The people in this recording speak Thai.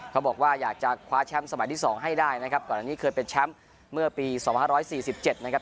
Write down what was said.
เขาบอกว่าอยากจะคว้าแชมป์สมัยที่สองให้ได้นะครับก่อนอันนี้เคยเป็นแชมป์เมื่อปีสองพันห้าร้อยสี่สิบเจ็ดนะครับ